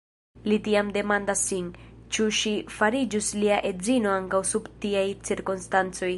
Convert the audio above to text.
Li tiam demandas sin, ĉu ŝi fariĝus lia edzino ankaŭ sub tiaj cirkonstancoj.